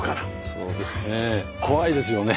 そうですね。